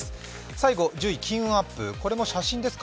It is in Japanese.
最後１０位金運アップ、これも写真ですか？